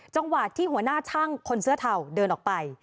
จังหวะที่หัวหน้าช่างคนเสื้อเทาเดินออกไป